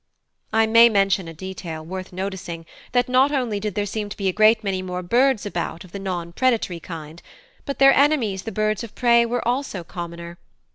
I may mention as a detail worth noticing that not only did there seem to be a great many more birds about of the non predatory kinds, but their enemies the birds of prey were also commoner.